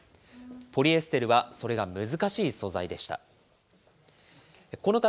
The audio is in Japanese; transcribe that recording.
ポリエステルはそれが難しい素材でした。